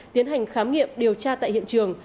tiến hành khám nghiệm điều tra tại hiện trường